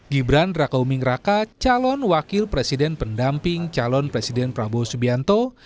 gibran raka uming raka calon wakil presiden pendamping calon presiden prabowo subianto